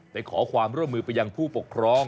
ขอความร่วมมือไปยังผู้ปกครอง